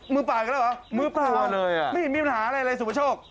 มือปล่าเกี่ยวแล้วเหรออ้มือปล่าเมื่ออีกมีปัญหาอะไรสุภาโฉค